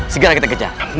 segera kita kejar